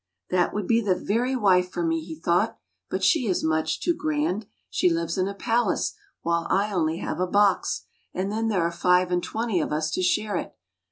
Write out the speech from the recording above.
" That would be the very wife for me! " he thought; " but she is much too grand; she lives in a palace, while I only have a box, and then there are five and twenty of us to share it.